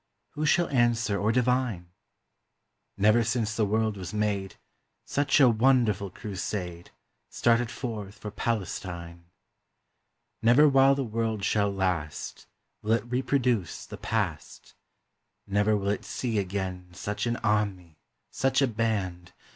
Who shall answer or divine? Never since the world was made Such a wonderful crusade Started forth for Palestine. Never while the world shall last Will it reproduce the past; Nevfer will it see again Such an army, such a band.